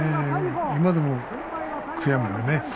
今でも悔やむよね。